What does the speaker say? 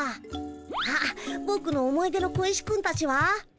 あっぼくの思い出の小石君たちは？